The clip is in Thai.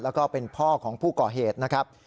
แล้วก็เป็นพ่อของผู้ก่อเหตุนะครับ